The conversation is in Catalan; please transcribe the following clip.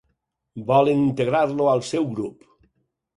Volen integrar-lo al seu grup.